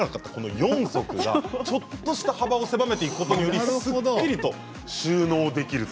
４足がちょっとした幅を狭めていくことですっきりと収納できると。